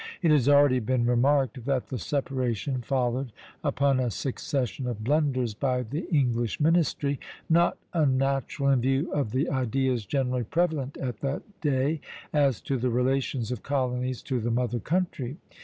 It has already been remarked that the separation followed upon a succession of blunders by the English ministry, not unnatural in view of the ideas generally prevalent at that day as to the relations of colonies to the mother country.